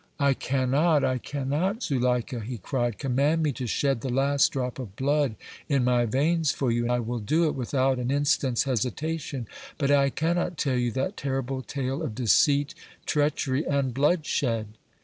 "I cannot, I cannot, Zuleika!" he cried. "Command me to shed the last drop of blood in my veins for you and I will do it without an instant's hesitation, but I cannot tell you that terrible tale of deceit, treachery and bloodshed!"